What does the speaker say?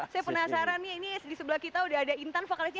saya penasaran nih ini disebelah kita udah ada intan vokalistnya